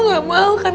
mama gak maukan